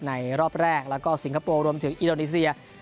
รอบแรกแล้วก็สิงคโปร์รวมถึงอินโดนีเซีย